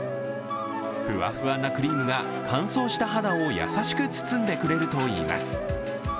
ふわふわなクリームが乾燥した肌を優しく包んでくれるといいます。